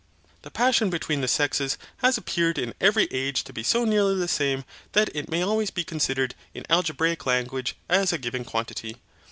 The passion between the sexes has appeared in every age to be so nearly the same that it may always be considered, in algebraic language, as a given quantity.